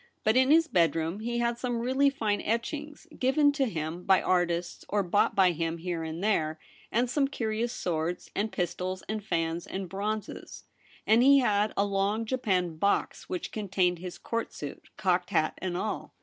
But in his bedroom he had some really fine etchings given to him by artists or bought by him here and there, and some curious swords and pistols and fans and bronzes ; and he had a long japanned box which contained his Court suit, cocked hat and all.